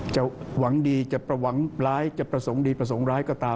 หวังดีจะประหวังร้ายจะประสงค์ดีประสงค์ร้ายก็ตาม